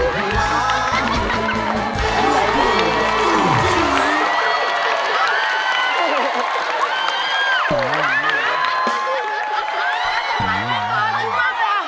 สวัสดีค่ะ